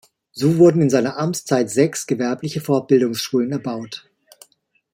So wurden in seiner Amtszeit sechs gewerbliche Fortbildungsschulen erbaut.